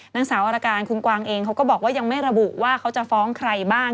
นางสาวอรการคุณกวางเองเขาก็บอกว่ายังไม่ระบุว่าเขาจะฟ้องใครบ้าง